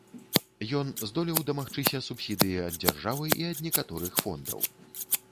Ён здолеў дамагчыся субсідыі ад дзяржавы і ад некаторых фондаў.